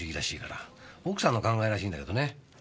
奥さんの考えらしいんだけどね。